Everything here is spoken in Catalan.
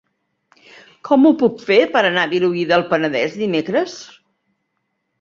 Com ho puc fer per anar a Vilobí del Penedès dimecres?